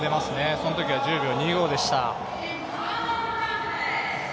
そのときは１０秒２５でした。